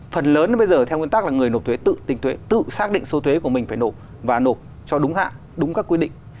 phần lớn bây giờ theo nguyên tắc là người nộp thuế tự tình thuế tự xác định số thuế của mình phải nộp và nộp cho đúng hạn đúng các quy định